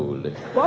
boleh dua juga boleh